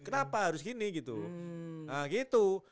kenapa harus gini gitu